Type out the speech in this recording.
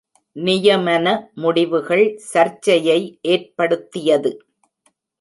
நியமன முடிவுகள் சர்ச்சையை ஏற்படுத்தியது.